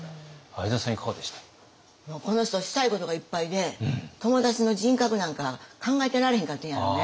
この人したいことがいっぱいで友達の人格なんか考えてられへんかったんやろね。